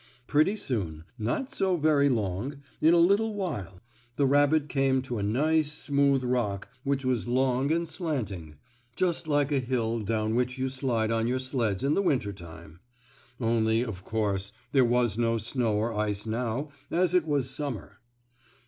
Pretty soon, not so very long, in a little while, the rabbit came to a nice smooth rock which was long and slanting, just like a hill down which you slide on your sleds in the winter time. Only, of course, there was no snow or ice now, as it was summer.